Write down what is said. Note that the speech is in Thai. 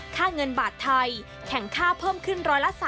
ค่าเงินบาทไทยแข่งค่าเพิ่มขึ้น๑๓